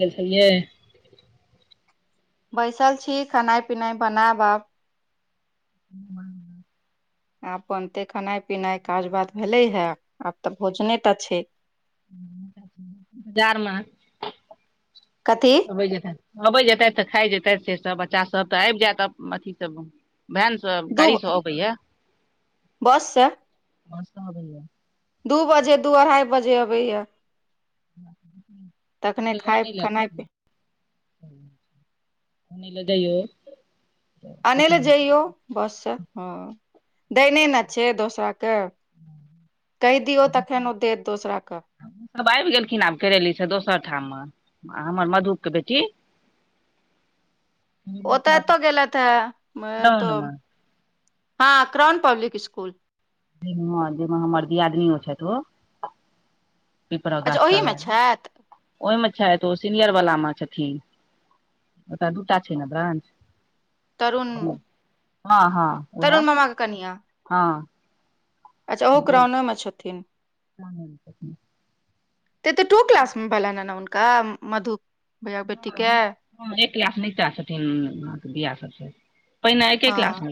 गेल छ्लीये बैसल छी खेनाइ पिनाइ बनाब आब आ बनते खेनाइ पिनाइ काज बात भेले हे आब तऽ भोजने तऽ छै [unintelligible] बजारमे कथी अब जेतथि अबै जेतथि तऽ खाए जेतथि से सब बच्चा सब तऽ आबि जायत अथी सब मे दू गाड़ीसँ अबाय ये बस से सस्ता दय ये [unintelligible] दू बजे दू अढ़ाइ बजे अबैए तखने [unintelligible] खाय ओनय ले खेनाइ पी [unintelligible] ओनय ले जयियो अनै लए जइयौ बस से हँ दैने ने छै दोसरा के कहि दिऔ तखैन ओ देत दोसरा के सभ आबि गेलखिन आब करेली से दोसर ठाममे आ हमर मधु के बेटी [inaudible] ओतऽ एतौ गेल हे टाउन एतौ मे हँ क्राउन पब्लिक स्कुल जा जाहिमे हमर दियादनीयो छथि ओ पिपरा अच्छा ओहि गाछतर मे वाली छथि ओहिमे छथि ओ सीनियर वला मे छथिन ओत दू टा छै ने ब्रांच तरुण हँ हँ उएह तरुण मामा के कनिया हँ अच्छा ओहो क्राउने मे छथिन [unintelligible] क्राउने मे तऽ तऽ टू क्लास मे भेललनि ह हुनका मधु भैया बेटी के हँ ह एक लास नेता छथिन अहके बआ सभसँ हँ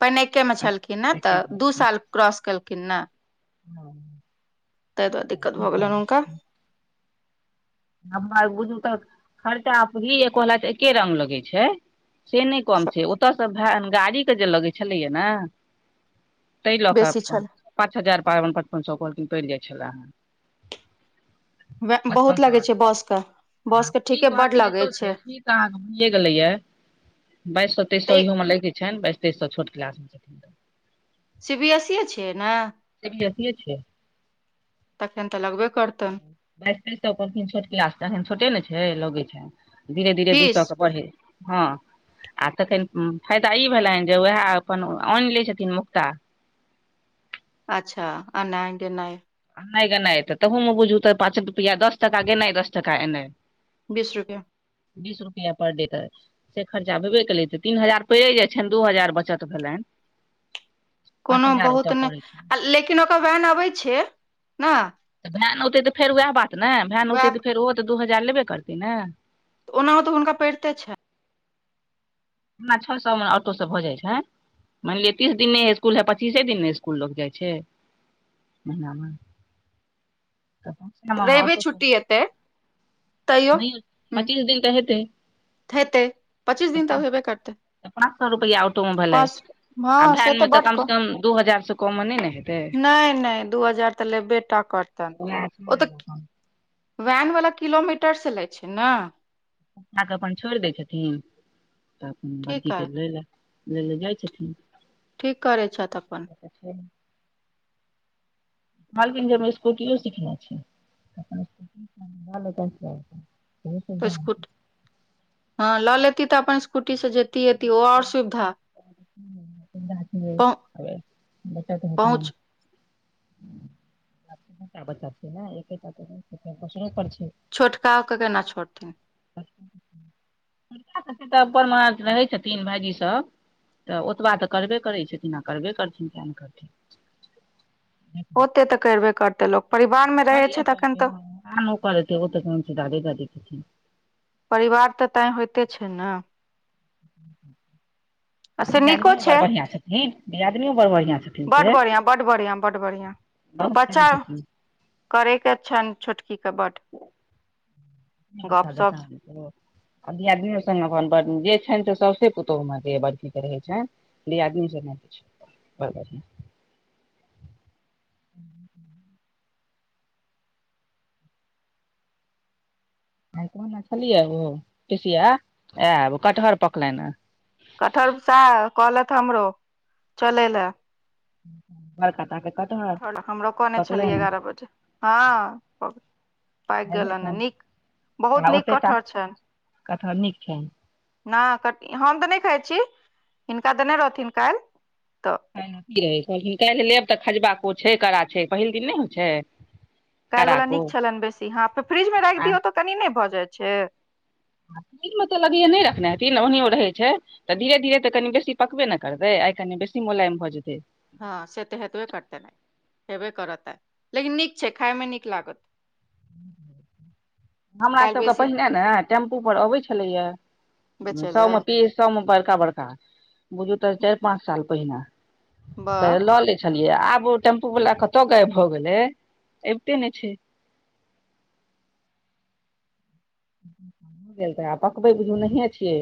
पहिने मे एक मे छलखिन ने तऽ दू साल क्रॉस केलखिन ने हँ ताहि दुआरे दिक्कत भऽ गेलनि हुनका हम बुझू तऽ खर्चा परी एकला एके रंग लगै छै से नहि कम छै ओतयसँ भेन गाड़ीके जे लगै छलैए ने ताहि लऽ कऽ बेसी छल पाँच हजार पाबन पचपन सए कहलखिन पड़ि जाइ छले हेँ बहुत लगै छै बस के बस के की ठीके बड कहलखिन हान लगै छै एतो छै बाइस सए तेस सए तऽ इ लै के छनि बायस तेस सए छोट क्लास मे छथिन तऽ सी बी एस इए छियै ने सी बी एस इए छियै तखन तऽ लगबे करतनि बाइस तेइस सए पथिन छोट कलास त त एखन छोटे ने छै लगै छै धीरे धीरे दू सए फीस के पढ़े हँ आ तखन फायदा ई भेलनि जे उएह अपन आनि लैत छथिन मुक्ता अच्छा अनाइ गैनाइ नहि ग नहि तऽ तहूमे बुझू तऽ पाँच रुपैआ दस टका गनाइ दस टा एनाइ बीस रुपैआ बीस रुपआ पर डे क से खर्चा हेबे केलै तऽ तीन हजार पड़ि जाइ छनि दू हजार बचत भेलनि पाँच कोनो हजार बहुत ओतय पड़ै छनि नहि लेकिन ओकर भेन अबै छै ने तऽ भेन औतै तऽ फेर उएह बात ने भेन औतै तऽ वएह फेर ओहो तऽ दू हजार लेबे करतै ने ओनाहो तऽ हुनका पड़िते छ हमरा छओ सए ऑटोसभ भऽ जाइत छै मानि लिय तीस दिने इकुल है पचीसे दिनने इसकुल लग जाइ छै [unintelligible] श्यामा रवि ऑटो छुट्टी एतै तैयो ह पच्चीस दिन कहेते हेतै पच्चीस दिन तऽ हेबे करतै तऽ पाँच सए रुपैआ ऑटो मे भेलै पाँच हँ आ से भैन मे तऽ बड कम क से कम दू हजार से कम नहि ने हेतै नहि नहि दू हजार तऽ लेबे टा वैह वला किलोमीटरसँ लै छै ने क अपन छोड़ि दै छथिन तऽ अपन ठीक वर्दी है के लै लए ल जाइ छथिन ठीक करै छथि अपन [unintelligible] कलकिनजे हममे स्कूट सिखने छै तऽ स्क हँ लऽ लेती तऽ अपन स्कूटी से जेती एती ओ आओर सुविधा बतात त पहुँ ह पहुँच [unintelligible] बता छै ए [unintelligible] क कर छै छोटका ओ के केना छोड़थिन तऽ अपन मह रहै छथिन भाइजीसभ तऽ ओतबा तऽ करबे करै छथिन आ करबे करथिन किए ने करथिन ओते तऽ करबे करते लोक परिवार मे रहै छै तखन तऽ करन ओ करै ओ तऽ कोन छै दादे दादी परिवार तऽ तैं होइते छै ने आ ह से नीको दियदनीओ बड़ छै बढ़िआँ छथिन दियदनीओ बड़ बढ़िआँ छथिन से बड बढ़ियां बड बढ़ियां बड बढ़ियां बहुत तरहके करय के छनि छोटकी के बड बताद [unintelligible] गपशप कत धियदनियो सने जे छनि से सौसे पुतहुमे दे बड़कीक रहै छनि याद [unintelligible] न जरना छै ब कहने छलियै ओ पीसिया आयब कटहर पकलनि हे कटठहर स कहलथि हमरो चलै लए हरका त हमरो कहने छलियै एगारह बजे हँ पाकि काल्हे गेलनि खन नीक बहुत नीक कटहर छनि कतहर नीक छैनि नहि क हम तऽ नहि खाइ छी हिनका तऽने रहथिन काल्हि तऽ की रहै कहलखिन काल्हि लेब तऽ खजबा को छै कड़ा छै पहिल दिन नहि होइ छै काल्हि वालला कराको नीक छलनि बेसी हं फ्रिज मे राखि आ दियौ तऽ कनी नहि भऽ जाइ छै दिन मे तऽ लगै नइ रखने हेथिन ओईनैयो रखै छै तऽ धीरे धीरे तऽ कनि बेसी पकबे ने करतै आइ कनि बेसी मोलायम भऽ जेतै हँ से तऽ हेतबे करतइ ना हेबे करतै लेकिन नीक छै खायमे नीक लागत हमरा काल्हि सबके बेसी पहिने ने टेम्पूपर अबै छलैए बेचै लए सबमे पीस सबमे बड़का बड़का बुझू तऽ चारि पाँच साल पहिने वाह तऽ लऽ ले छलियै आब ओ टेम्पू वाला कत गायब भऽ गेलै अबिते नइ छै गेल त पकबै बुझियौ नहिए छियै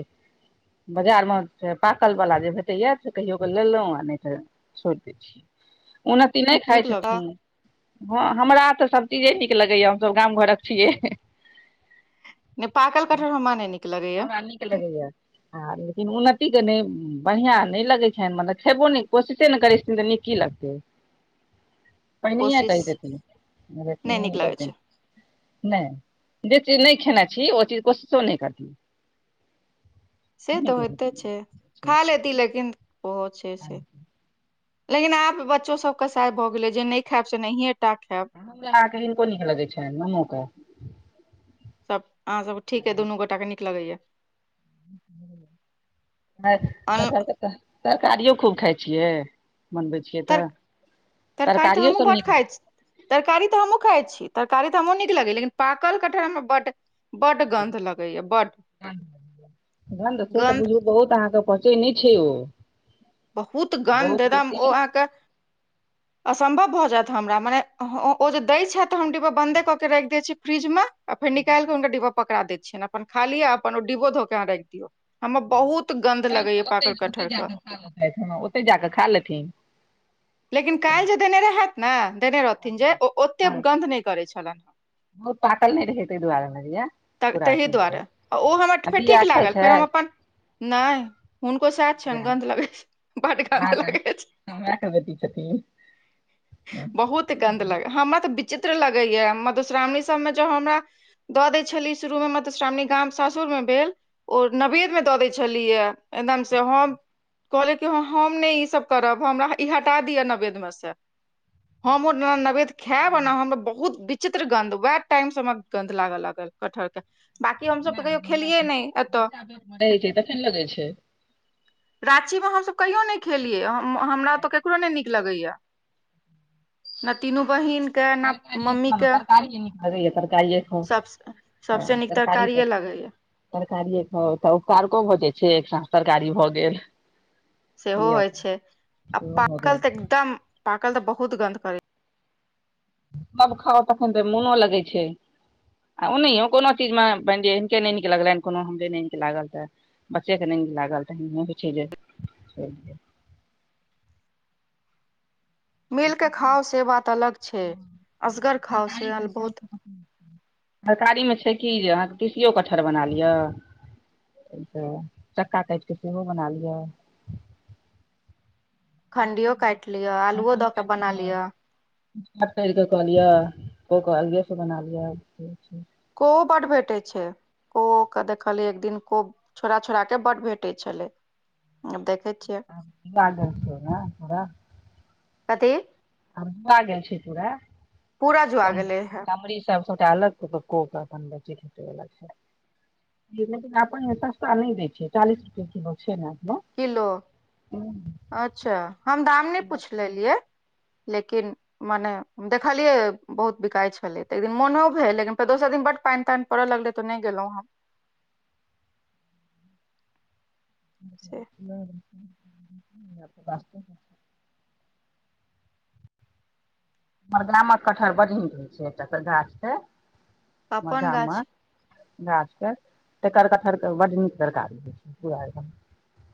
बाजार मे से पाकल वालला जे भेटैया से कहियो क लेलहुँ आ नहि त छोड़ि द छी उन्नाति ई नहि खाइ नीक लगऽ छथिन हँ हमरा तऽ सब चीजे नीक लगैया हमसब गाम घरक छियै नइ पाकल कठहर हमरा नइ नीक लगैया हमरा नीक लगेए आ लेकिन उन्नतिके नइ बढ़िआँ नइ लगैत छनि मतलब खेबो नइ कोशिशे नइ करै छथिन तऽ नीक की लगत पहिनहिए कोशिश कहि नहि नीक लगै देथिन छै नइ जे चीज नइ खेनाइ छी ओ चीज कोशिश नइ करती से तऽ होइते छै देथिन खा लेती लेकिन ओहो छै से लेकिन आब बच्चोसभ कसाइ भऽ गेलै, जे नहि खायब से नहिएटा खायब। अहाँके हनको नीक लगैत छनि, नुनुके? सभ अहाँसभ ठीक यए, दुनू गोटाके नीक लगैए। अन कथ त [unintelligible] तरकारी खूब खाइ छियै, बनब। तर तरकारी तऽ हमहूँ बड़ नीक खाइ छी। तरकारी तऽ हमहूँ खाइ छी, तरकारी तऽ हमहूँ नीक लगैए, लेकिन पागल कटहर हमरा बड़ बड्ड गन्ध लगैए, बड्ड गन्ध से तऽ गन्ध। बुझू बहुत, अहाँसभ कहै छी ने, छै ओ। बहुत गन्ध, बहुत एकदम बेसी ओ अहाँके। [inaudible] असम्भव भऽ जायत हमरा मने, ओ जे दै छथि तऽ हम डिब्बा बन्दे कऽ कऽ राखि दैत छी फ्रिजमे। आ फेर निकालि कऽ हुनकर डब्बा पकड़ाइ दै छियनि, अपन खाली आ अपन ओ डब्बो धो कऽ राखि दियौ हमर बहुत। गन्ध लगैया ओ पाकल खऽ ओते कटहर के जा कऽ खालथ। [unintelligible] लेकिन काल्हि जे देने रहथिन, जे ओ ओतेक हँ गन्ध नहि करै छलनि। बहुत पागल नहि रहै तै दुआरे अनलियै य। तऽ ताहि दुआरे ओ हमरा फेर ठीक खाइ लागल, छै फेर हम अपन। नहि, हुनको सएह छनि, बिया गन्ध लगै छै, बड़ गन्ध लगै छै। चमराक बेटी छथिन। बहुत गन्ध लगै हमरा तऽ विचित्र लगैए, मधुश्रावणी सभमे जँ हमरा। दऽ दै छली शुरूमे मधुश्रावणी, गाम-सासुरमे भेल। ओ नैवेद्यमे दऽ दै छलियै। एकदमसँ हम कहलियै कि हम नहि ई सभ करब, हमरा ई हटा दिअ नैवेद्यमे सँ। हम ओ नैवेद्य खायब आ ने हम बहुत। विचित्र गन्ध, वएह टाइमसँ हमरा कटहरके गन्ध लगऽ लागल। बाकी हम तऽ कहियो खेलियै नहि एतऽ। बच्चा पेट मे रहै छै तखन लगै छै राँचीमे हमसभ कहियो नहि खेलियै, हमरा तऽ ककरो नहि नीक लगैए। नहि, तीनू बहिन। तरकारिए खाउ, तरकारी नीक लगैए, तरकारी खाउ, सब सबसे नीक तरकारी ह। तरकारिए लगैया तरकारिए खाउ तऽ उपकारको भऽ जाइ छै, एक साँझ तरकारिओ भऽ गेल। सेहो बुझलियै होइ तऽ छै आ सेहो भऽ गेल पागल तऽ एकदम पागल, तऽ बहुत गन्ध करै। सभ खाउ, तखन तऽ मोनो लगै छै। आ ओ नहियों कोनो चीजमे मानि लिअ, हिनके नहि नीक लगलनि, कोनो हमरा नहि नीक लागल तऽ। बच्चाके नहि लागल तऽ। मिलि कऽ खाउ, से बात अलग छै, असगर खाउ से अलग बात। तरकारीमे छै कि जे अहाँके तिसियो कटहर बना लिअ? तऽ चक्का काटि कऽ सेहो बना लिअ। खण्डिओ काटि लिअ, आलुओ दऽ कऽ बना लिअ। करऽ कऽ कहलियै, को कहलियै, से बना लिअ। ओहो बड्ड भेटैत छै। कोऽके देखलियै एक दिन, कोऽ छोड़ऽ-छोड़ऽके बड़ भेटै छलै। अब देखै छियै। लऽ छै ने ओकरा। कथी? आऽ गेल छी, पूरा पूरा जुआ गेलै हे कमरा सभ। अलग पकऽ अपन बचीत छै। लेकिन अपने सस्ता नऽ दै छियै, चालीस रुपैया किलो छै ने। किलो, अच्छा हम दाम नहि पुछने छलियै, लेकिन। मने। देखलियै, बहुत बिकाय छलै तऽ एक दिन मोनो भेल, लेकिन दोसर दिन बड्ड पानि-तानि पड़ऽ लगलै तऽ नहि गेलहुँ हम। से [unintelligible] मर गा मे रहै छै एक गाछ छैर अपन गाम मे गाछ गाछ के त कटहर के बड्ड नीक तरकारी होइ छै पू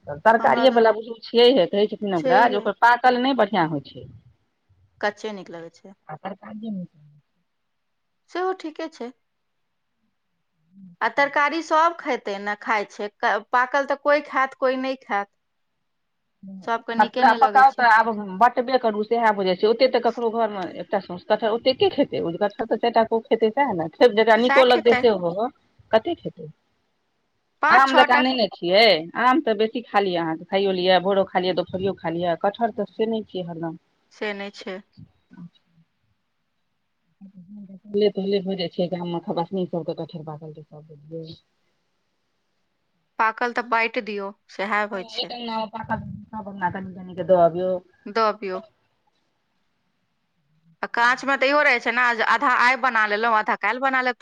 त हमरा सरकारिएवला तऽ बुजुर्ग छियैहे कहै छथिन ओकरा जे छैहे ओकर पाकल नहि बढ़िआँ होइत छै कच्चे नीक लगै छै आर काज दम छै से ठीके छै ह [inaudible] आ तरकारी सभ खेतै ने खाइ छै पाकल तऽ कोइ खायत कोइ नहि खायत सभके नीके पूरा नहि लगै पकाव छै तऽ आब के करू सह बइ छै ओते तऽ ककरो घर मे एकटा कहर ओते खेतै कहर तऽ चारटा खेतै सएह ने फे जकरा सएह निको लगतै खेतै सेहो कते खेतै पाँच आम छओ टा जकाँनने छियै आम तऽ बेसी खा लियै अहाँके खाइयो लिअ भोरो खायै दोपहरियो खाल लियै कटहर तऽ से नहि छियै हरदम से नहि छै अचा ले ले भऽ जाइ छै गाममे खपास सबके कठेर पलै सब बुझ पाकल तऽ बाटि दियऔ [unintelligible] न के दबियौ द अबियौ काच मे तऽ इहो रहे छै ने जे आधा आइ बना लेलो आधा काल्हि बना लेल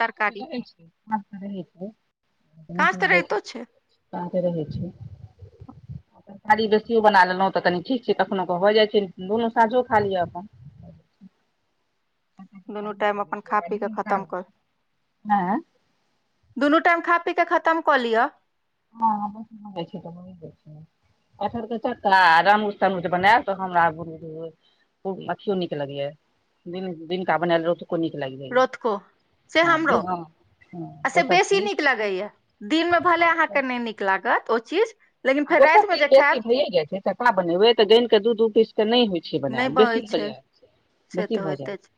काँच तऽ रहितो छै [unintelligible] काते रहै छै तरकारी बेसियो बना लेलहुँ तऽ कनि ठीक छै कखनो क भऽ जाइत छै दुनू साँझो खा लिअ अपन दुनू टाइम अपन खा पी कऽ खतम करू आँय दुनू टाइम खा पी क खतम कऽ लिअ हँ हमइ छै तऽ म जाइ कठहरके चक्का रूज तनुज बनायल तऽ हमरा गुरु ओ अखियो नीक लगी है दिन दिन क बनल रह नीक लागि रतुको से हमरो जाइया ओ सब ठीक दिन मे भे अहाँके नहि नीक लागत ओ चीज लेकिन आ फेर ओ सब रातिमे चीज जे बेसी खायब होइए छै चका बनेबे तऽ गायनिक के दूध उ पीस के नहि होइ छै से म नहि बहै बेसी छै भजा से बेसी तऽ भजा होइते छै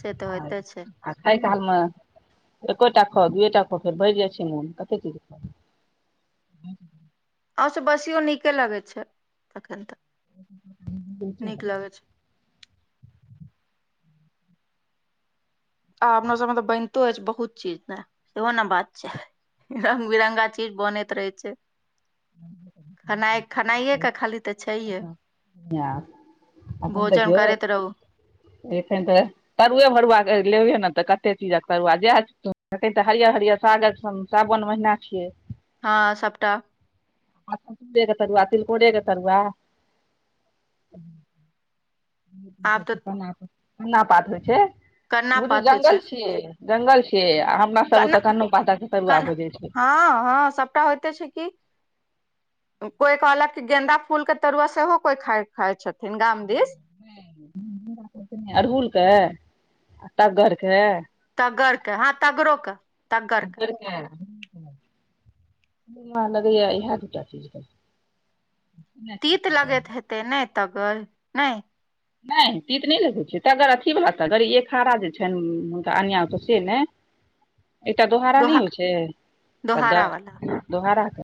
से तऽ आ होइते छै आ खाय कालमे एकोटा खऽ दुएटा खाउ फेर भरि जाइ छै मोन कतेक चीज खा आ सब बसियो नीके लगे छै तखन तऽ नीक लगे छै आ अपना सबमे तऽ बनितो अछि बहुत चीज ने एहो ने बात छै रंग बिरंगा चीज बनैत रहै छै खेनाइ खेनाइएकेऽ खाली तऽ छैहे अपना भोजन करैत रहू एख [unintelligible] तऽ तरुए भरुआके लेबहे ने तऽ कते चीजक तरुआ जए हरियर हरियर सागत सावन महिना छियै हँ सबटा आतर तिलकोर के तरुआ आब तऽ [unintelligible] न्ना पात होइ छै कन्ना बुझू पात होइ जंगल छियै जंगल छियै आ हमरा सब ना ओतऽ कन्नो पातक तरुआ भोजै छै हँ हँ सबटा होइते छै कि कोइ कहलक क गेन्दा फूल के तरुआ सेहो कोइा खाइ य छथिन गाम दिस अड़हुलके आ टग्गरके तगर के हँ तगरोे तग्गर केऽ हँ मान लगै य ह दू टा चीज त तीत लगैत हेतै नहि तग नहि नहि तीत नहि लगै छै त अगर अथी बला तऽ एकहड़ा जे छनि हुनका अन्य से ने एकटा दोहारा नहि दोहा होइ छै त दोहारा वाला ग दोहाराके